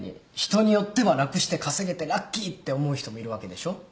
人によっては楽して稼げてラッキーって思う人もいるわけでしょ。